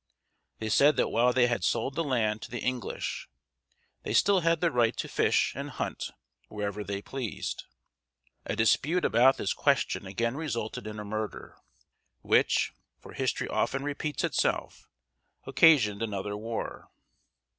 They said that while they had sold the land to the English, they still had the right to fish and hunt wherever they pleased. A dispute about this question again resulted in a murder, which for history often repeats itself occasioned another war.